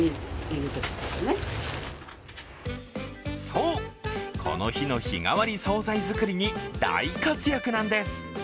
そう、この日の日替わり総菜作りに大活躍なんです。